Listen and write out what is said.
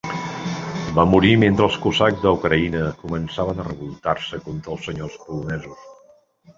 Va morir mentre els cosacs d'Ucraïna començaven a revoltar-se contra els senyors polonesos.